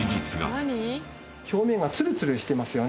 表面がツルツルしてますよね。